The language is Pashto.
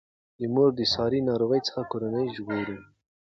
مور د ساري ناروغیو څخه کورنۍ ژغوري.